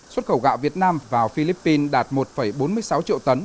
xuất khẩu gạo việt nam vào philippines đạt một bốn mươi sáu triệu tấn